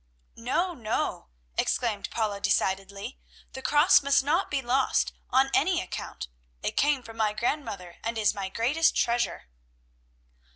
"No, no," exclaimed Paula, decidedly, "the cross must not be lost, on any account. It came from my grandmother and is my greatest treasure."